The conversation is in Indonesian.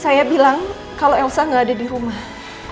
saya bilang kalau elsa nggak ada di rumah